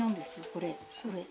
これこれ。